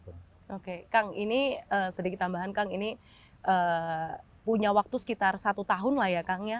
oke kang ini sedikit tambahan kang ini punya waktu sekitar satu tahun lah ya kang ya